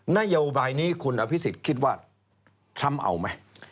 นโยบายนี้คุณอภิษฎคิดว่าทรัมป์เอาไหม